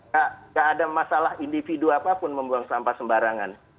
tidak ada masalah individu apapun membuang sampah sembarangan